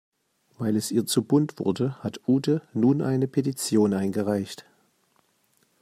Weil es ihr zu bunt wurde, hat Ute nun eine Petition eingereicht.